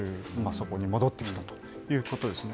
そこに戻ってきたということですよね。